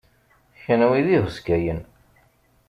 Kenwi d ihuskayen.